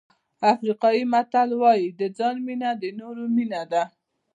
افریقایي متل وایي د ځان مینه د نورو مینه ده.